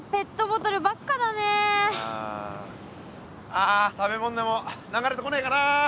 あ食べ物でも流れてこねえかな。